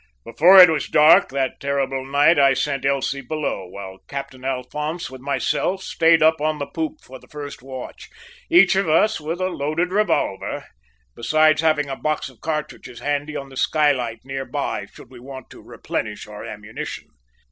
"Before it was dark that terrible night I sent Elsie below, while Captain Alphonse with myself stayed up on the poop for the first watch, each of us with a loaded revolver, besides having a box of cartridges handy on the skylight near by, should we want to replenish our ammunition.